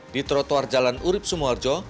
di trotoar jalan urib sumoharjo